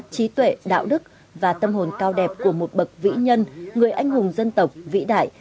trí tuệ đạo đức và tâm hồn cao đẹp của một bậc vĩ nhân người anh hùng dân tộc vĩ đại